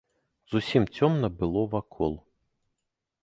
Зусім цёмна было вакол.